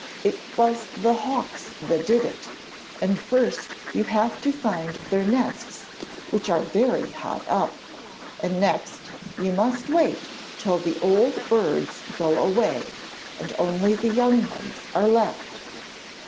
'It was the hawks that did it, and first you have to find their nests which are very high up, and next you must wait till the old birds go away, and only the young ones are left.'